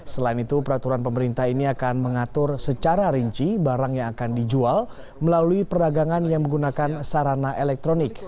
selain itu peraturan pemerintah ini akan mengatur secara rinci barang yang akan dijual melalui perdagangan yang menggunakan sarana elektronik